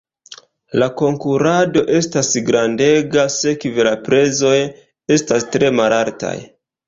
La konkurado estas grandega, sekve la prezoj estas tre malaltaj.